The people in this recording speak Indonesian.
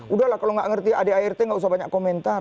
udah lah kalau nggak ngerti adrt nggak usah banyak komentar